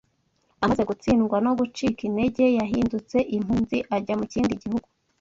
Amaze gitsindwa no gucika intege, yahindutse impunzi, ajya mu kindi gihugu.